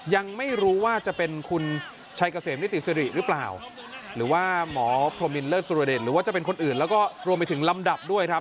ยังไม่รู้ว่าจะเป็นคุณชัยเกษมนิติศิริหรือเปล่า